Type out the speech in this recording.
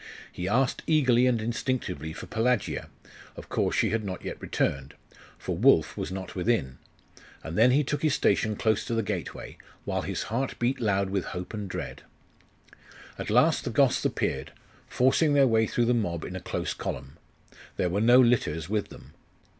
He asked eagerly and instinctively for Pelagia; of course she had not yet returned. For Wulf he was not within. And then he took his station close to the gateway, while his heart beat loud with hope and dread. At last the Goths appeared, forcing their way through the mob in a close column. There were no litters with them.